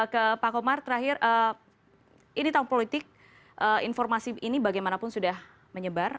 ke pak komar terakhir ini tahun politik informasi ini bagaimanapun sudah menyebar